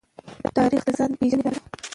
تاریخ د ځان پېژندنې لاره ده.